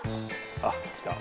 あっきた。